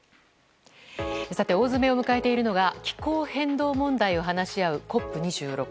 大詰めを迎えているのが気候変動問題を話し合うＣＯＰ２６。